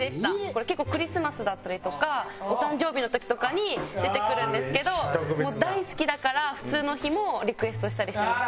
これ結構クリスマスだったりとかお誕生日の時とかに出てくるんですけどもう大好きだから普通の日もリクエストしたりしてました。